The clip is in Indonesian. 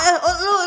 eh lo yang salah lo